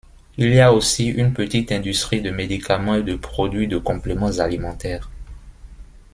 Il y aussi une petite industrie de médicaments et de produits de compléments alimentaires.